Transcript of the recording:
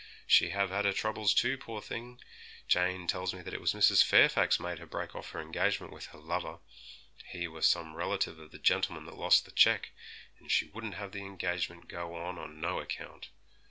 She have had her troubles, too, poor thing! Jane tells me that it was Mrs. Fairfax made her break off her engagement with her lover; he were some relative of the gentleman that lost the cheque, and she wouldn't have the engagement go on on no account.